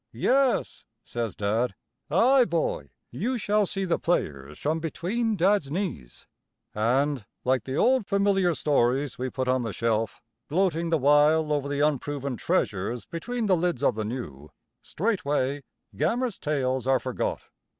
"Yes," says Dad. "Ay, boy, you shall see the players from between Dad's knees." [Illustration: "'Ay, boy, you shall see the players'"] And like the old familiar stories we put on the shelf, gloating the while over the unproven treasures between the lids of the new, straightway Gammer's tales are forgot.